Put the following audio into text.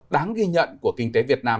đáng ghi nhận của kinh tế việt nam